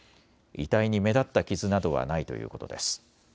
遺体に目立った傷などはないということです。